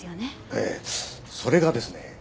ええそれがですねえ